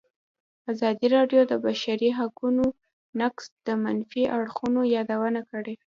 ازادي راډیو د د بشري حقونو نقض د منفي اړخونو یادونه کړې.